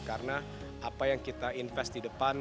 karena apa yang kita investasi di depan